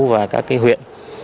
và các huyện